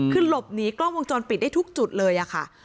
คือหลบหนีกล้องวงจรปิดได้ทุกจุดเลยค่ะ